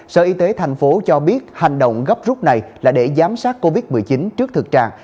sở y tế tp hcm cho biết hành động gấp rút này là để giám sát covid một mươi chín trước thực trạng